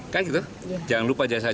kan gitu jangan lupa jas merah